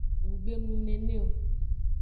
Nggbe nu nene o.